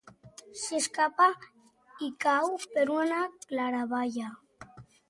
S'escapa i cau per una claraboia.